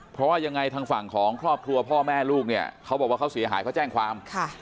เพราะว่ายังไงทางฝั่งของครอบครัวพ่อแม่ลูกเนี่ยเขาบอกว่าเขาเสียหายเขาแจ้งความ